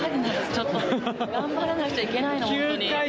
ちょっと、頑張らなくちゃいけないの、本当に。